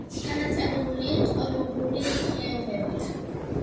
დანაწევრებულია ტროგული ხეობებით.